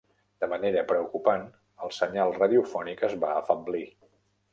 De manera preocupant, el senyal radiofònic es va afeblir.